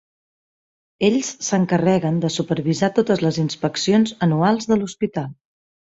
Ells s"encarreguen de supervisar totes les inspeccions anuals de l"hospital.